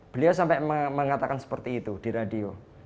beliau sampai mengatakan seperti itu di radio